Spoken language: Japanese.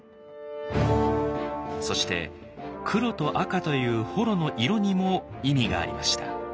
そして黒と赤という母衣の色にも意味がありました。